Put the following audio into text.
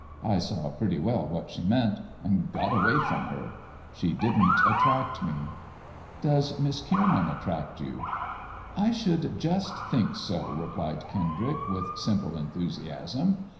I saw pretty well what she meant, and got away from her. She didn't attract me." Does Miss Kierman attract you 1 "" I should just think so," replied Kendrick, with simple enthusiasm.